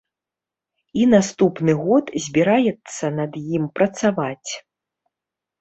І наступны год збіраецца над ім працаваць.